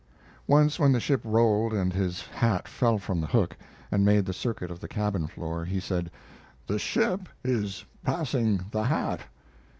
Once when the ship rolled and his hat fell from the hook, and made the circuit of the cabin floor, he said: "The ship is passing the hat."